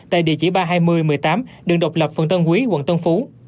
tại địa chỉ ba mươi hai nghìn một mươi tám đường độc lập phần tân quý quận tân phú